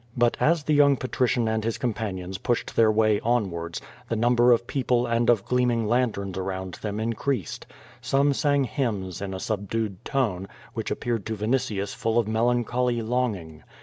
But as the young patrician and his companions pushed their way onwards, the number of people and of gleaming lanterns around them increased. Some sang h3n[nns in a subdued tone, which appeared to Yinitius full of melancholy longing.